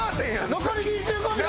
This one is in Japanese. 残り２５秒！